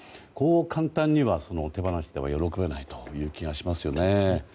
簡単には手放しでは喜べない気がしますよね。